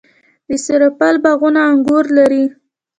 د سرپل باغونه انګور لري.